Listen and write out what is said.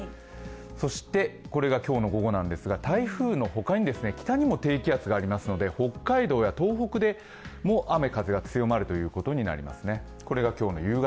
そしてこれが今日の午後なんですが台風の他に北にも低気圧がありますので北海道や東北でも雨・風が強まることになりますね。